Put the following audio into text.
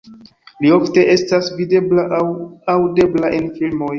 Li ofte estas videbla aŭ aŭdebla en filmoj.